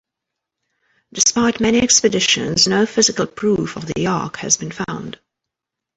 Despite many expeditions, no physical proof of the ark has been found.